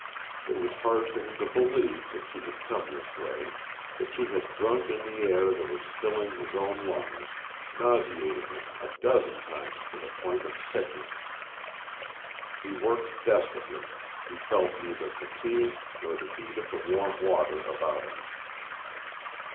It was hard for him to believe that she had come this way, that she had drunk in the air that was filling his own lungs, nauseating him a dozen times to the point of sickness. He worked desperately. He felt neither fatigue nor the heat of the warm water about him.